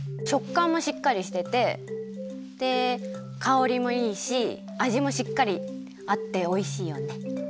しょっかんもしっかりしててでかおりもいいしあじもしっかりあっておいしいよね！